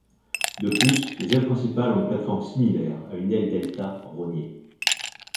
De plus, les ailes principales ont une plateforme similaire à une aile delta rognée.